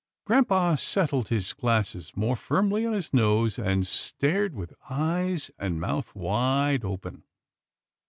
Grampa settled his glasses more firmly on his nose, and stared with eyes and mouth wide open.